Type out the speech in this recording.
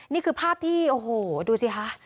นี่คือภาพที่โอ้โหดูสิคะ